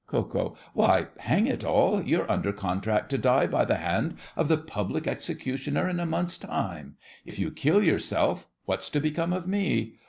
KO. Why, hang it all, you're under contract to die by the hand of the Public Executioner in a month's time! If you kill yourself, what's to become of me?